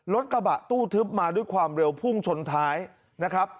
รถกระบะตู้ทึบมาด้วยความเร็วพุ่งชนท้ายนะครับ